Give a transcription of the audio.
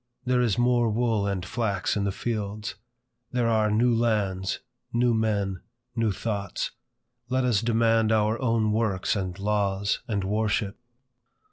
There is more wool and flax in the fields. There are new lands, new men, new thoughts. Let us demand our own works and laws and worship.